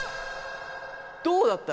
どうだった？